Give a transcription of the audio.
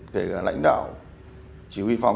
kể cả lãnh đạo chỉ huy phòng